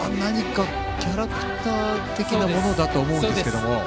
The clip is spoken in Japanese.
キャラクター的なものだと思うんですけども。